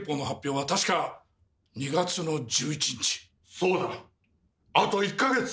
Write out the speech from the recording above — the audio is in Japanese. そうだあと１か月。